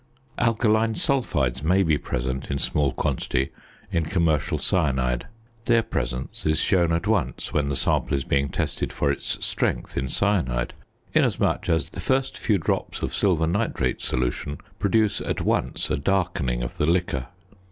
Alkaline sulphides may be present in small quantity in commercial cyanide. Their presence is shown at once when the sample is being tested for its strength in cyanide, inasmuch as the first few drops of silver nitrate solution produce at once a darkening of the liquor.